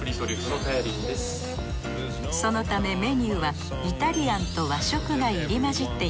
そのためメニューはイタリアンと和食が入り混じっています。